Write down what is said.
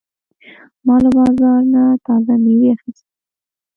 ما له بازار نه تازه مېوې واخیستې.